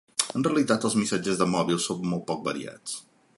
En realitat, els missatges de mòbil són molt poc variats.